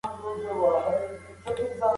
هغوی هر یو په لاس کې بیلچه ونیوله.